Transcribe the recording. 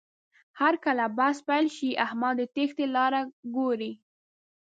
هرکله بحث پیل شي، احمد د تېښتې لاره ګوري.